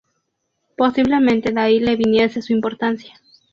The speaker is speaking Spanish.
Posiblemente de ahí le viniese su importancia.